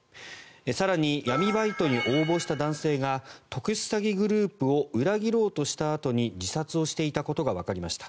更に、闇バイトに応募した男性が特殊詐欺グループを裏切ろうとしたあとに自殺をしていたことがわかりました。